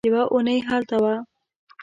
يوه اوونۍ هلته وه.